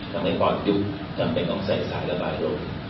ทำให้ปอดยุบต้องใส่สายระบายลง